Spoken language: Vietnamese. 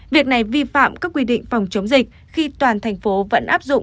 việc này vi phạm các quy định phòng chống dịch khi toàn thành phố vẫn áp dụng